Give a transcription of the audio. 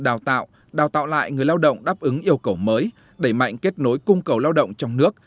đào tạo đào tạo lại người lao động đáp ứng yêu cầu mới đẩy mạnh kết nối cung cầu lao động trong nước